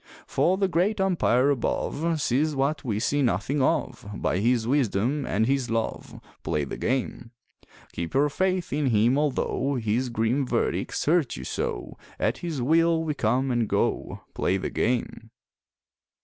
For the Great Umpire above Sees what we see nothing of, By His wisdom and His love Play the game! Keep your faith in Him although His grim verdicts hurt you so, At His Will we come and go Play the game!